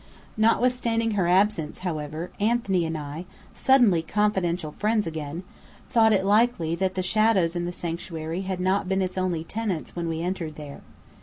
Notwithstanding her absence, however, Anthony and I (suddenly confidential friends again) thought it likely that the shadows in the Sanctuary had not been its only tenants when we entered there.